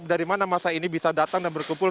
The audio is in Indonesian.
dari mana masa ini bisa datang dan berkumpul